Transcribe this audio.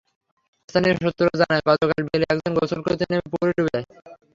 স্থানীয় সূত্র জানায়, গতকাল বিকেলে একজন গোসল করতে নেমে পুকুরে ডুবে যায়।